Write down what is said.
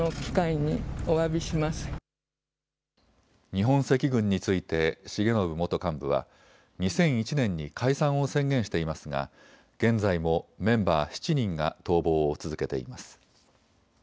日本赤軍について重信元幹部は２００１年に解散を宣言していますが現在もメンバー７人が逃亡を続けています。